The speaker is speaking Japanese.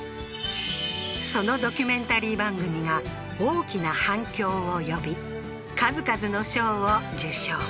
そのドキュメンタリー番組が大きな反響を呼び数々の賞を受賞